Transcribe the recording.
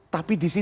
tapi di sini